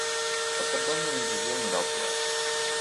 Per Cap d'Any en Roger anirà al teatre.